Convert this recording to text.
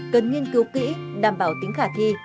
cần nghiên cứu kỹ đảm bảo tính khả thi